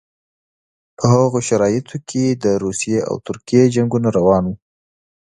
په هغو شرایطو کې د روسیې او ترکیې جنګونه روان وو.